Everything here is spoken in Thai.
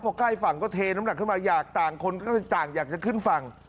พอใกล้ฝั่งก็เทน้ำหนักขึ้นมาอยากต่างคนก็ต่างอยากจะขึ้นฝั่ง